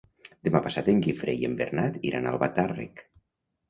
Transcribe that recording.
Demà passat en Guifré i en Bernat iran a Albatàrrec.